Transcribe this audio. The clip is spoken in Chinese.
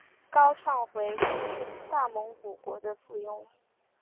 高昌回鹘是大蒙古国的附庸。